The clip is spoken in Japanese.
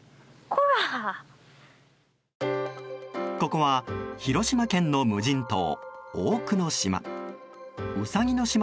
ここは広島県の無人島大久野島。